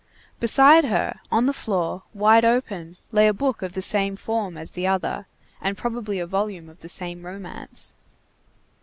Beside her, on the floor, wide open, lay a book of the same form as the other, and probably a volume of the same romance.